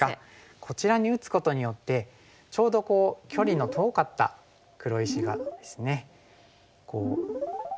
こちらに打つことによってちょうど距離の遠かった黒石がですねこう。